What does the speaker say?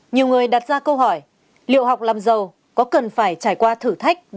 nhiều người đặt ra câu hỏi liệu học làm giàu có cần phải trải qua thử thách